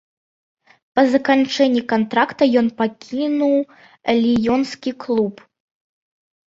Па заканчэнні кантракта ён пакінуў ліёнскі клуб.